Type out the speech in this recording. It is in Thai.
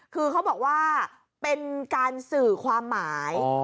คือเขาบอกว่าเป็นการสื่อความหมาย